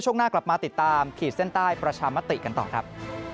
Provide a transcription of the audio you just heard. ช่วงหน้ากลับมาติดตามขีดเส้นใต้ประชามติกันต่อครับ